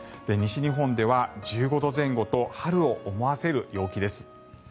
西日本では１５度前後と春を思わせる陽気です。